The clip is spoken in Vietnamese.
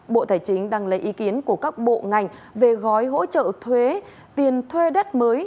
bộ tài chính đang lấy ý kiến của các bộ ngành về gói hỗ trợ thuế tiền thuê đất mới